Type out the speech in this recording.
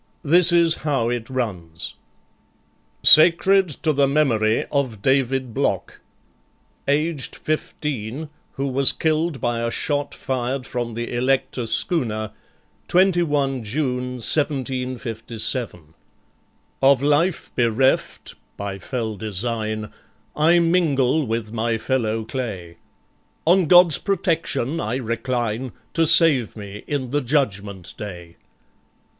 This is how it runs: SACRED TO THE MEMORY OF DAVID BLOCK Aged 15, who was killed by a shot fired from the Elector Schooner, 21 June 1757. Of life bereft (by fell design), I mingle with my fellow clay. On God's protection I recline To save me in the Judgement Day.